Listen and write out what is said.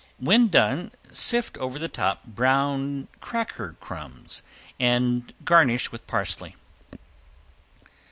When done sift over the top browned cracker crumbs and garnish with parsley.